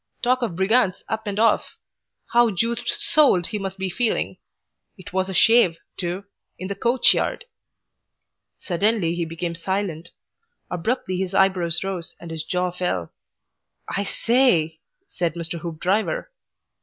Talk of brigands Up and off! How juiced SOLD he must be feeling It was a shave too in the coach yard!" Suddenly he became silent. Abruptly his eyebrows rose and his jaw fell. "I sa a ay!" said Mr. Hoopdriver.